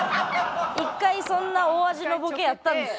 １回そんな大味のボケやったんですね。